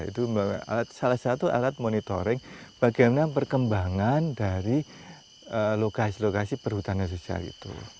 itu salah satu alat monitoring bagaimana perkembangan dari lokasi lokasi perhutanan sosial itu